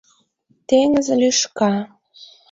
Теҥыз лӱшка.